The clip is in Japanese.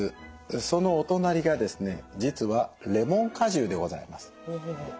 そのお隣がですね実はレモン果汁でございます。